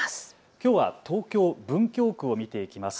きょうは東京文京区を見ていきます。